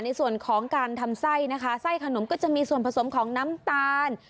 ในส่วนของการทำไส้นะคะไส้ขนมก็จะมีส่วนผสมของน้ำตาล